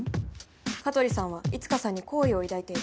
香取さんはいつかさんに好意を抱いている。